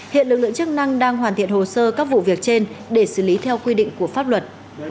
hiện lực lượng chức năng đang hoàn thiện hồ sơ các vụ việc trên để xử lý theo quy định của pháp luật